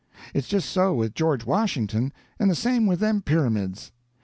It's just so with George Washington, and the same with them pyramids.